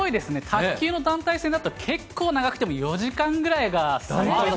卓球の団体戦だったら、結構長くても４時間ぐらいが。